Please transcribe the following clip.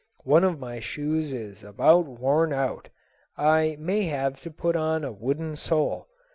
One of my shoes is about worn out. I may have to put on a wooden sole.